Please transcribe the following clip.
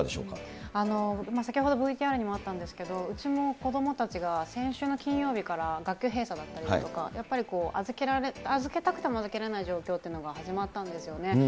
先ほどＶＴＲにもあったんですけれども、うちも子どもたちが先週の金曜日から学級閉鎖だったりとか、やっぱり預けたくても預けられない状況というのが始まったんですよね。